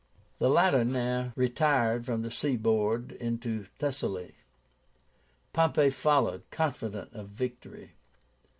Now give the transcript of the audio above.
The latter now retired from the sea board into Thessaly. Pompey followed, confident of victory.